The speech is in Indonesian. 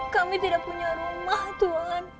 kami tidak punya rumah tuhan